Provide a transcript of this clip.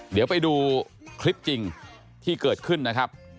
เดี๋ยวไปดูคลิปจริงที่เกิดขึ้นนะครับ